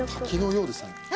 滝のようですね。